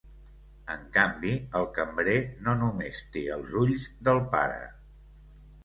En canvi el cambrer no només té els ulls del pare.